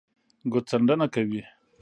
ګوتڅنډنه کوي